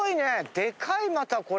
デカいまたこれ。